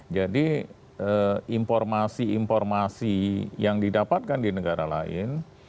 jadi informasi informasi yang didapatkan di negara lain